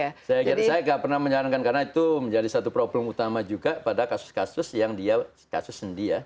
saya kira saya nggak pernah menyarankan karena itu menjadi satu problem utama juga pada kasus kasus yang dia kasus sendi ya